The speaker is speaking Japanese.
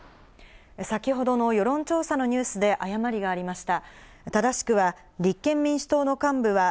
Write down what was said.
先ほどの世論調査のニュースで誤りがありました。